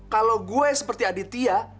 kalau gue seperti aditya